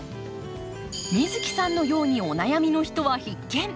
美月さんのようにお悩みの人は必見！